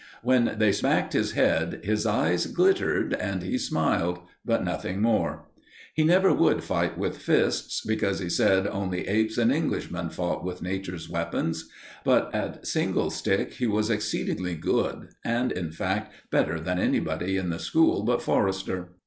When they smacked his head, his eyes glittered and he smiled, but nothing more. He never would fight with fists, because he said only apes and Englishmen fought with Nature's weapons. But at single stick he was exceedingly good, and, in fact, better than anybody in the school but Forrester.